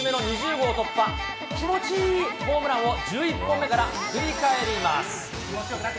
ホームランも節目の２０号突破、気持ちいいホームランを１１本目から振り返ります。